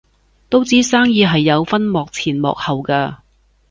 都知生意係有分幕前幕後嘅